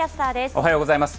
おはようございます。